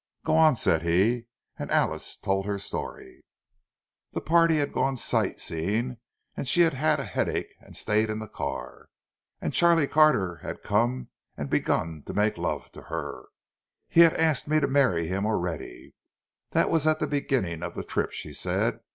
"Go on," said he; and Alice told her story. The party had gone sight seeing, and she had had a headache and had stayed in the car. And Charlie Carter had come and begun making love to her. "He had asked me to marry him already—that was at the beginning of the trip," she said.